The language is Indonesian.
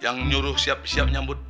yang nyuruh siap siap nyambut